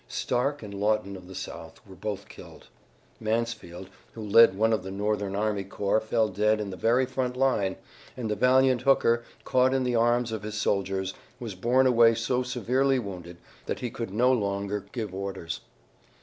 Starke and Lawton of the South were both killed. Mansfield, who led one of the Northern army corps fell dead in the very front line, and the valiant Hooker, caught in the arms of his soldiers, was borne away so severely wounded that he could no longer give orders.